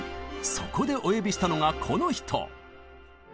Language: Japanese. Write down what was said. そこでお呼びしたのがこの人！